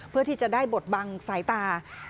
เพื่อที่จะได้บทบังสายตา